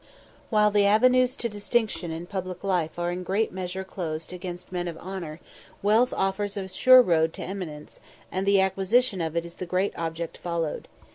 While the avenues to distinction in public life are in great measure closed against men of honour, wealth offers a sure road to eminence, and the acquisition of it is the great object followed.